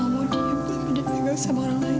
lama dipegang sama orang lain